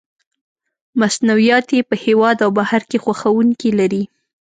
مصنوعات یې په هېواد او بهر کې خوښوونکي لري.